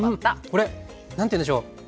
これ何て言うんでしょう。